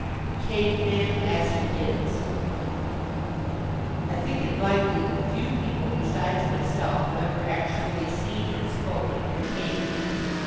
The Cave Man as He is I think it likely that few people besides myself have ever actually seen and spoken with a "cave man."